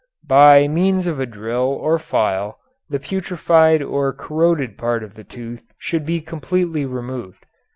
"By means of a drill or file the putrefied or corroded part of the tooth should be completely removed.